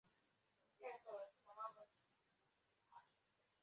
obodo ha na steeti ha urù.